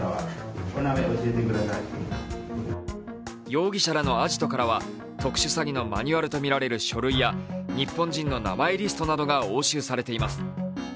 容疑者らのアジトからは特殊詐欺のマニュアルとみられる書類や日本人の名前リストなどが押収されています。